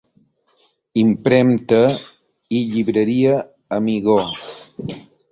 Impremta i Llibreria Amigó.